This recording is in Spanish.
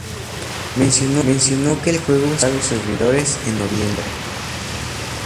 Mencionó que el juego cerrará los servidores en noviembre.